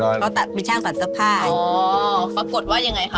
เขาตัดมีช่างตัดสภาพ